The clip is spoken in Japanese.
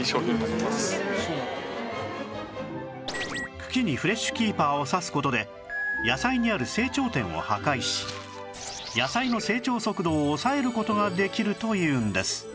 茎にフレッシュキーパーを刺す事で野菜にある成長点を破壊し野菜の成長速度を抑える事ができるというんです